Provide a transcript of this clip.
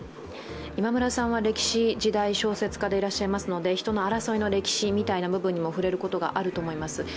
今村さんは歴史・時代小説家でありますので人の争いの歴史みたいな部分にも触れることがあると思います。